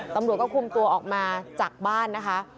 ตำรวจก็คุมตัวออกมาจากบ้านนะคะ